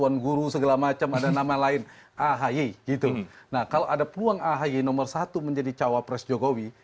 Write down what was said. nah kalau ada peluang ahy nomor satu menjadi cawapres jokowi